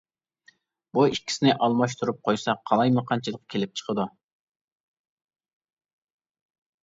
بۇ ئىككىسىنى ئالماشتۇرۇپ قويساق قالايمىقانچىلىق كېلىپ چىقىدۇ.